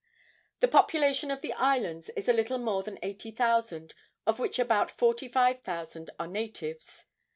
The population of the islands is a little more than eighty thousand, of which about forty five thousand are natives.